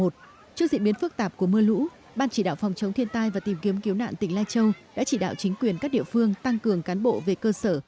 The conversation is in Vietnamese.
trước diễn biến phức tạp của mưa lũ ban chỉ đạo phòng chống thiên tai và tìm kiếm cứu nạn tỉnh lai châu đã chỉ đạo chính quyền các địa phương tăng cường cán bộ về cơ sở